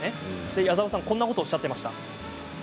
矢澤さんはこんなことをおっしゃっていました。